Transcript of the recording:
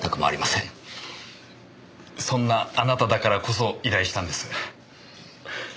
そんなあなただからこそ依頼したんです。